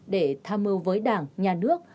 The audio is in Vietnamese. để tham mưu với đảng nhà nước